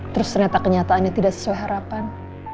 terus ternyata kenyataannya tidak sesuai harapan